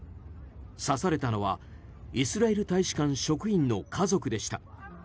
刺されたのはイスラエル大使館職員の家族でした。